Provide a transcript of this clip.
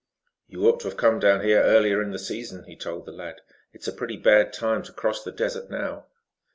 "You ought to have come down here earlier in the season," he told the lad. "It's a pretty bad time to cross the desert now."